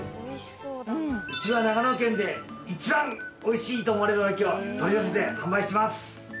うちは長野県で一番美味しいと思われるおやきを取り寄せて販売してます。